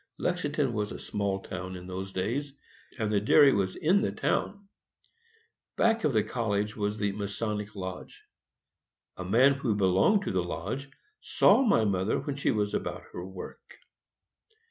Lexington was a small town in those days, and the dairy was in the town. Back of the college was the Masonic lodge. A man who belonged to the lodge saw my mother when she was about her work.